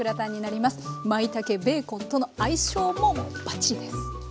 まいたけベーコンとの相性もバッチリです。